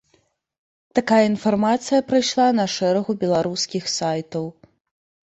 Такая інфармацыя прайшла на шэрагу беларускіх сайтаў.